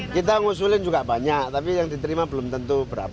kita ngusulin juga banyak tapi yang diterima belum tentu berapa